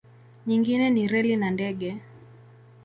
Nyingine ni reli na ndege.